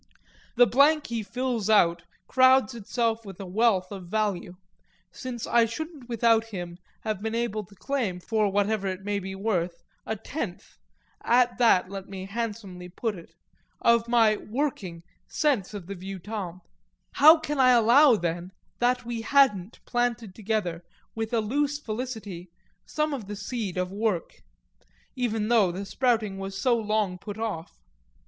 The blank he fills out crowds itself with a wealth of value, since I shouldn't without him have been able to claim, for whatever it may be worth, a tenth (at that let me handsomely put it), of my "working" sense of the vieux temps. How can I allow then that we hadn't planted together, with a loose felicity, some of the seed of work? even though the sprouting was so long put off.